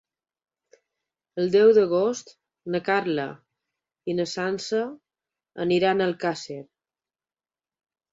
El deu d'agost na Carla i na Sança aniran a Alcàsser.